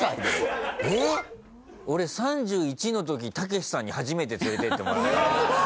俺３１の時たけしさんに初めて連れていってもらった。